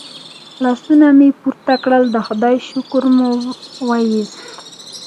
لاسونه مې پورته کړل د خدای شکر مو وایست.